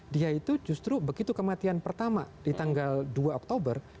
dia itu justru begitu kematian pertama di tanggal dua oktober